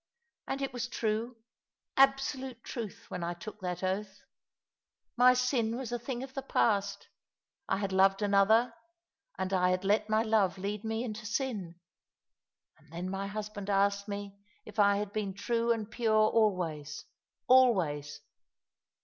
And it was true, absolute truth, when I took that oath. My sin was a thing of the past. I had loved another, and I had let my bve lead me into sin. And then my husband asked me if "(9/1, Old Thoughts they cling /'^ 267 I had been true and pure always; always.